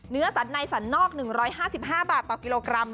เนื้อสัตว์ในสันนอก๑๕๕บาทต่อกิโลกรัม